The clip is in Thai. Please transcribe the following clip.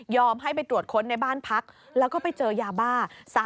ให้ไปตรวจค้นในบ้านพักแล้วก็ไปเจอยาบ้า